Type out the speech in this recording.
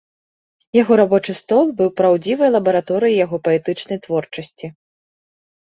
Яго рабочы стол быў праўдзівай лабараторыяй яго паэтычнай творчасці.